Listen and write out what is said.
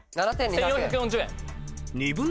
１４４０円。